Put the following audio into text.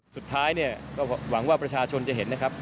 สุดท้ายเนี่ยก็หวังว่าประชาชนจะเห็นนะครับ